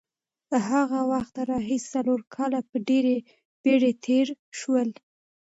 له هغه وخته راهیسې څلور کاله په ډېرې بېړې تېر شول.